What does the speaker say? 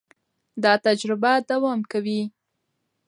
دا تجربه دوام کوي.